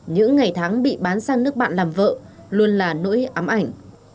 những ngày tháng bị bán sang nước bạn làm vợ luôn là nỗi ám ảnh